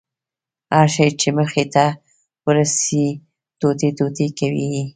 هر شى چې مخې ته يې ورسي ټوټې ټوټې کوي يې.